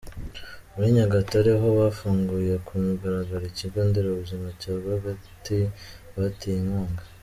Muri Nyagatare ho bafunguye ku mugaragaro ikigo nderabuzima cya Gakagati bateye inkunga.